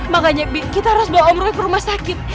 makanya bi kita harus bawa om roy ke rumah sakit